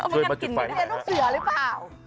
ช่วยมาจุดไฟได้เรียนลูกเสือหรือเปล่า